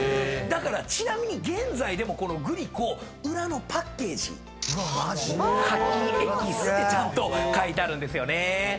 ちなみに現在でもこのグリコ裏のパッケージかきエキスってちゃんと書いてあるんですよね。